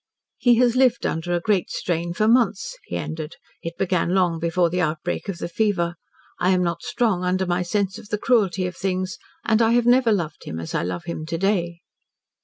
"He has lived under a great strain for months," he ended. "It began long before the outbreak of the fever. I am not strong under my sense of the cruelty of things and I have never loved him as I love him to day."